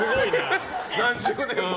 何十年も。